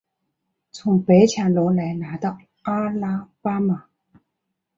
从北卡罗来纳到阿拉巴马。